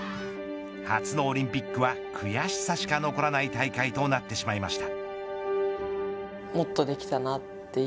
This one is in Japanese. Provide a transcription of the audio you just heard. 初のオリンピックは悔しさしか残らない大会となってしまいました。